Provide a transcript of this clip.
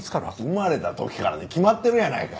生まれた時からに決まってるやないか！